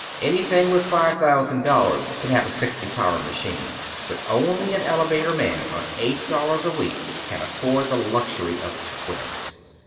Anything with five thousand dollars can have a sixty power machine, but only an elevator man on eight dollars a week can afford the luxury of twins."